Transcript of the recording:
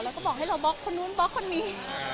แล้วก็บอกให้เราบล็อกคนนู้นบล็อกคนนี้